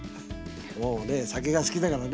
もうね酒が好きだからね。